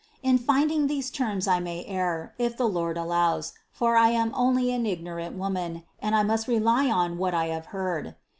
In finding these terms I may err, if the Lord allows, for I am only an ignorant woman and I must rely on what I have heard.